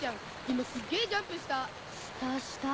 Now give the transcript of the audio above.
今すっげぇジャンプした。